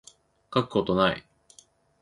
書くことない